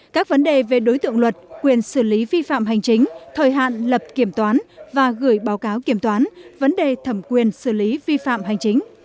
các vấn đề về đối tượng luật quyền xử lý vi phạm hành chính thời hạn lập kiểm toán và gửi báo cáo kiểm toán vấn đề thẩm quyền xử lý vi phạm hành chính